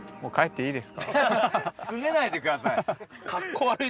すねないでください。